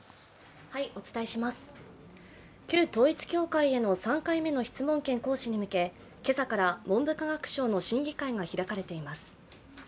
旧統一教会への３回目の質問権行使に向け今朝から文部科学省の審議会が開かれています。